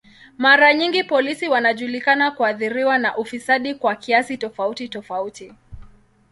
Mara nyingi polisi wanajulikana kuathiriwa na ufisadi kwa kiasi tofauti tofauti.